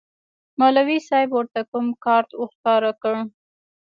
مولوي صاحب ورته کوم کارت ورښکاره کړ.